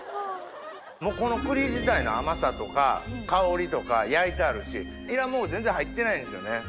もうこの栗自体の甘さとか香りとか焼いてあるしいらんもん全然入ってないんですよね。